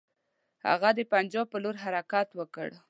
هغه د پنجاب پر لور حرکت وکړ.